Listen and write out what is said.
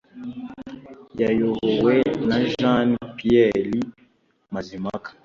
yayobowe na Jean PierreMazimpaka.